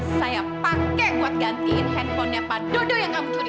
saya pakai buat gantiin handphonenya pak dodo yang kamu curi